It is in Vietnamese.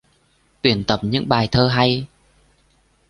Tuyển tập những bài thơ hay